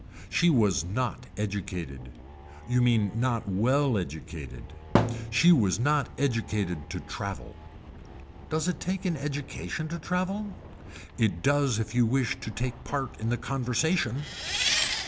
She was not educated. You mean not well educated. She was not educated to travel. Does it take an education to travel. It does if you wish to take part in the conversation.